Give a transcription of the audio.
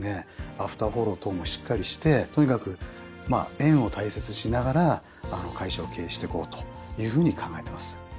アフターフォロー等もしっかりしてとにかく縁を大切にしながら会社を経営していこうというふうに考えてます。